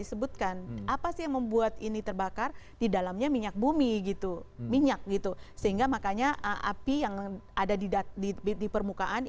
stop pembersihan lahan dengan cairan